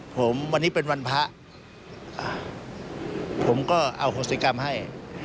ผมวันนี้เป็นวันพระผมก็อโหสิกรรมให้